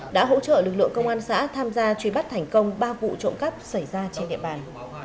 đã hỗ trợ lực lượng công an xã tham gia truy bắt thành công ba vụ trộm cắp xảy ra trên địa bàn